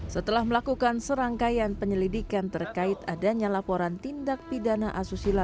setelah melakukan serangkaian penyelidikan terkait adanya laporan tindak pidana asusila